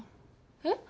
えっ？